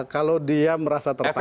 kalau dia merasa tertampar